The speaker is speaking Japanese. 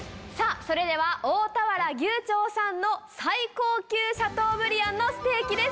それでは大田原牛超さんの最高級シャトーブリアンのステーキです。